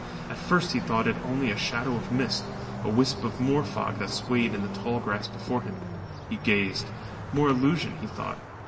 At first he thought it only a shadow of mist, a wisp of moor fog that swayed in the tall grass before him. He gazed. More illusion, he thought.